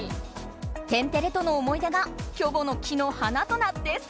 「天てれ」との思い出がキョボの木の花となってさいている！